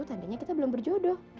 tandanya kita belum berjodoh